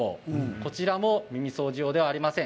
こちらも耳掃除用ではありません。